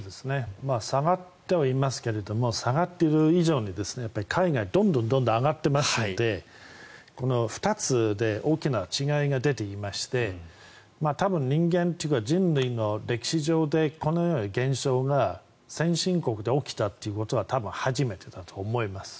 下がってはいますけれども下がっている以上に、海外は単位がどんどん上がっていますので２つで大きな違いが出ていまして人間というか人類の歴史上でこのように減少が先進国で起きたということは初めてだと思います。